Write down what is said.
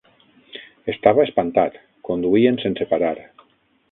Estava espantat. Conduïen sense parar.